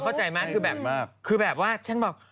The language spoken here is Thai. เขาเข้าใจมากคือแบบว่าฉันบอก